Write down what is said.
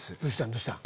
どうしたん？